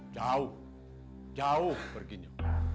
jauh jauh perginya